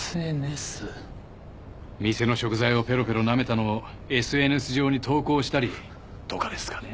店の食材をペロペロなめたのをＳＮＳ上に投稿したりとかですかね。